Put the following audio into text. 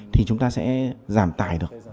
thì chúng ta sẽ giảm tải được